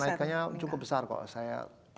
kenaikannya cukup besar kok saya persisnya lupa